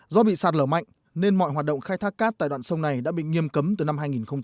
do bị sạt lở mạnh nên mọi hoạt động khai thác cát tại đoạn sông này đã bị nghiêm cấm từ năm hai nghìn một mươi